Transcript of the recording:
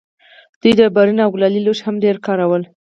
دوی ډبرین او کلالي لوښي هم ډېر کارول.